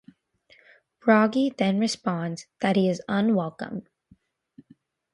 Bragi then responds that he is unwelcome.